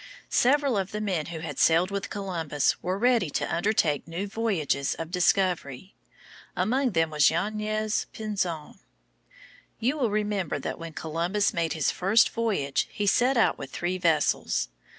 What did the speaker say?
Several of the men who had sailed with Columbus were ready to undertake new voyages of discovery. Among them was Yanez Pinzon. You will remember that when Columbus made his first voyage he set out with three vessels.